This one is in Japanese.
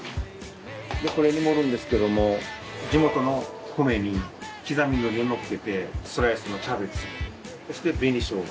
これに盛るんですけども地元の米に刻み海苔をのっけてスライスのキャベツそして紅ショウガ。